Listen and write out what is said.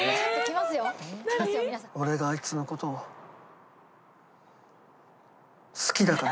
俺があいつのことを好きだから。